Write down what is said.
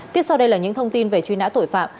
tiếp sau đây là những thông tin về truy nã tội phạm